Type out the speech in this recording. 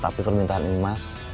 tapi permintaan ini mas